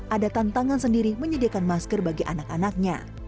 ada tantangan sendiri menyediakan masker bagi anak anaknya